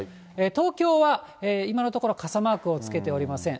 東京は今のところ傘マークをつけておりません。